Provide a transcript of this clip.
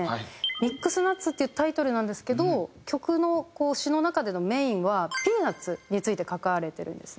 『ミックスナッツ』っていうタイトルなんですけど曲の詞の中でのメインはピーナッツについて書かれてるんですね。